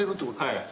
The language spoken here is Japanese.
はい。